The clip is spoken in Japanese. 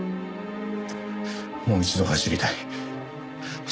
もう一度走りたい。